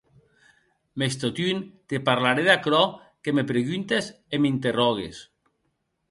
Mès totun, te parlarè d’aquerò que me preguntes e m’interrògues.